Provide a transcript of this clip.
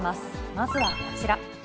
まずはこちら。